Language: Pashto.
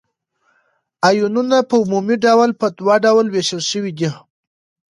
آیونونه په عمومي ډول په دوه ډلو ویشل شوي دي.